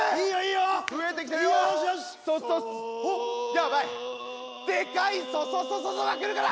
やばいでかい「ソソソソソ」が来るから。